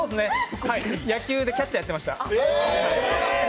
野球でキャッチャーやってました。